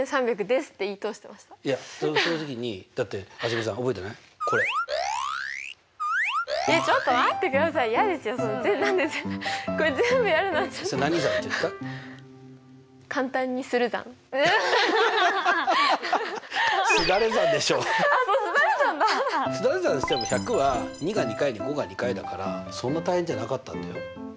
すだれ算しても１００は２が２回に５が２回だからそんな大変じゃなかったんだよ。